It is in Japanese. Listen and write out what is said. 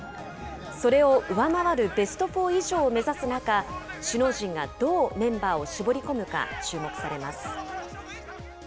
それを上回るベストフォー以上を目指す中、首脳陣がどうメンバーを絞り込むか、注目されます。